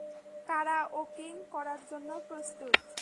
Karaoking করার জন্য প্রস্তুত?